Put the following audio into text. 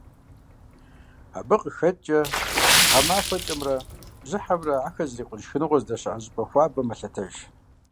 Абы къыхэкӏкӏэ гъэмахуэкӏэмрэ бжьыхьэмрэ ахэр зрикъун шхыныгъуэ здэщыӏэ щӏыпӏэ хуабэм мэлъэтэж.